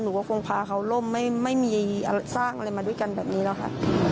หนูก็คงพาเขาร่มไม่มีสร้างอะไรมาด้วยกันแบบนี้แล้วค่ะ